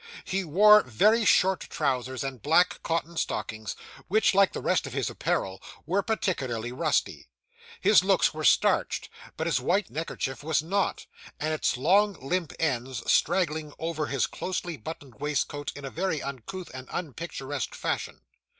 He wore very short trousers, and black cotton stockings, which, like the rest of his apparel, were particularly rusty. His looks were starched, but his white neckerchief was not, and its long limp ends straggled over his closely buttoned waistcoat in a very uncouth and unpicturesque fashion.